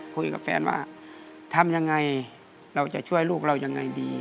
คุยกับแฟนว่าทำยังไงเราจะช่วยลูกเรายังไงดี